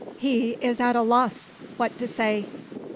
He is at a loss what to say.